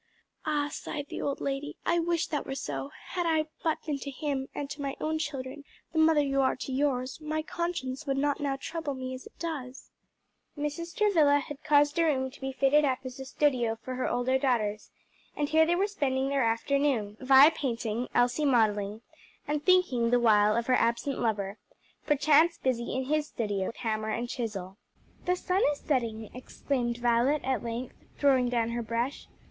"Ah!" sighed the old lady, "I wish that were so: had I but been to him, and to my own children, the mother you are to yours, my conscience would not now trouble me as it does." Mrs. Travilla had caused a room to be fitted up as a studio for her older daughters, and here they were spending their afternoon Vi painting, Elsie modelling and thinking, the while, of her absent lover, perchance busy in his studio with hammer and chisel. "The sun is setting," exclaimed Violet at length, throwing down her brush.